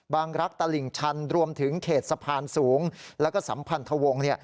รักตลิ่งชันรวมถึงเขตสะพานสูงแล้วก็สัมพันธวงศ์